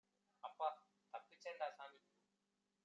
அப்பா தப்பிச்சேன்டா சாமி